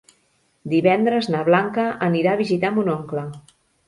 Divendres na Blanca anirà a visitar mon oncle.